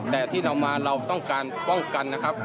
แต่ที่เรามาเราต้องการป้องกันนะครับ